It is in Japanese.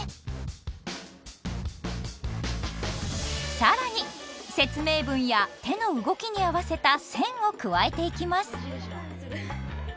更に説明文や手の動きに合わせた線を加えていきます。